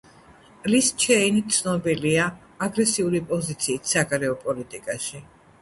ლიზ ჩეინი ცნობილია აგრესიული პოზიციით საგარეო პოლიტიკაში.